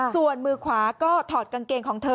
ส่วนมือขวาก็ถอดกางเกงของเธอ